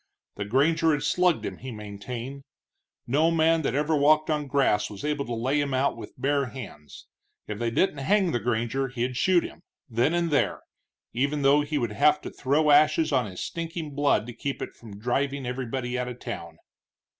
The granger had slugged him, he maintained; no man that ever walked on the grass was able to lay him out with bare hands. If they didn't hang the granger he'd shoot him, then and there, even though he would have to throw ashes on his stinking blood to keep it from driving everybody out of town.